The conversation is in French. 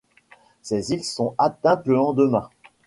Ces îles sont atteintes le lendemain.